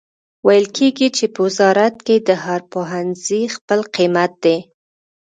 ویل کیږي چې په وزارت کې د هر پوهنځي خپل قیمت دی